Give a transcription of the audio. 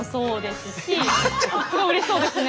すごいうれしそうですね。